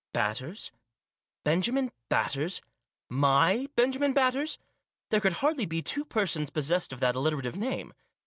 Batters? Benjamin Batters ? My Benjamin Batters? There could hardly be two persons possessed of that alliterative name.